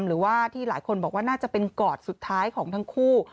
หรือว่าที่หลายคนบอกว่าน่าจะเป็นกอดสุดท้ายของทั้งคู่